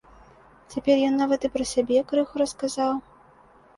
Цяпер ён нават і пра сябе крыху расказаў.